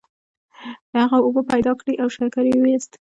هغه اوبه پیدا کړې او شکر یې وویست.